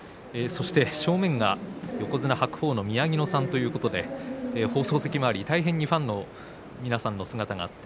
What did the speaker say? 正面が横綱白鵬の宮城野さんということで放送席周りファンの姿が見られます。